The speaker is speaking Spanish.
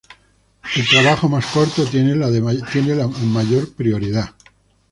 El trabajo más corto tiene la de mayor prioridad.